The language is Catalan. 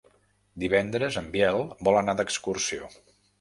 Divendres en Biel vol anar d'excursió.